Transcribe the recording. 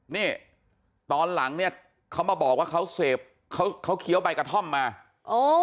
นี่ตอนหลังเนี้ยเขามาบอกว่าเขาเสพเขาเขาเคี้ยวใบกระท่อมมาโอ้